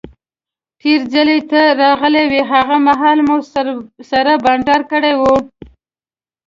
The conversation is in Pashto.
تیر ځل چې ته راغلی وې هغه مهال مو سره بانډار کړی وو.